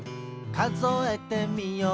「かぞえてみよう」